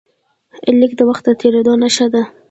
لیک د وخت د تېرېدو نښه ده.